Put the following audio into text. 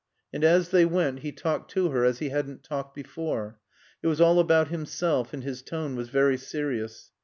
And as they went he talked to her as he hadn't talked before. It was all about himself and his tone was very serious.